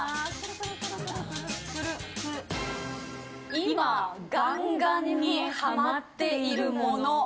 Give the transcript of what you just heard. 今ガンガンにハマっているもの。